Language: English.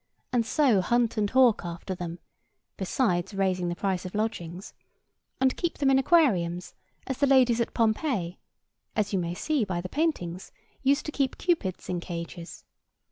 and so hunt and howk after them (besides raising the price of lodgings), and keep them in aquariums, as the ladies at Pompeii (as you may see by the paintings) used to keep Cupids in cages.